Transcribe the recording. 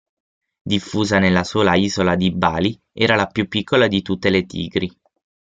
Diffusa nella sola isola di Bali, era la più piccola di tutte le tigri.